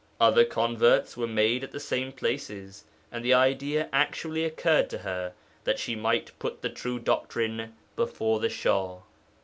Other converts were made at the same places, and the idea actually occurred to her that she might put the true doctrine before the Shah.